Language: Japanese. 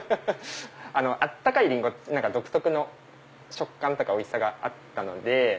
えっ⁉温かいリンゴ独特の食感とかおいしさがあったので。